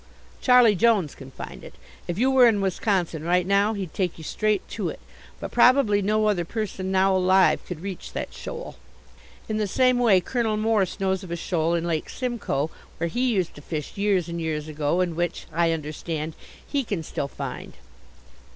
Charlie Jones can find it. If you were in Wisconsin right now he'd take you straight to it, but probably no other person now alive could reach that shoal. In the same way Colonel Morse knows of a shoal in Lake Simcoe where he used to fish years and years ago and which, I understand, he can still find.